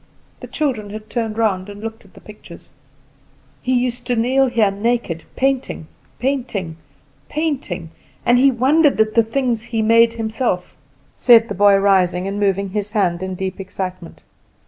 The children had turned round and looked at the pictures. "He used to kneel here naked, painting, painting, painting; and he wondered at the things he made himself," said the boy, rising and moving his hand in deep excitement.